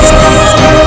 baik ayahanda prabu